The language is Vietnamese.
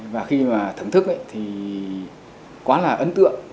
và khi thưởng thức thì quá là ấn tượng